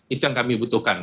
itu yang kami butuhkan